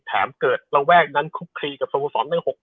แถมเกิดละแวกนั้นคุกคลีกับสมองศาลตัวเองนะครับ